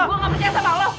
gue gak percaya sama allah